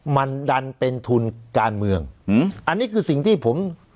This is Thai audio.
มันดันเป็นทุนการเมืองอืมอันนี้คือสิ่งที่ผม